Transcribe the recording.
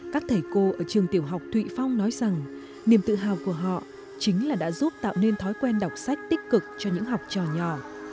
các thầy cô ở trường tiểu học thụy phong nói rằng niềm tự hào của họ chính là đã giúp tạo nên thói quen đọc sách tích cực cho những học trò nhỏ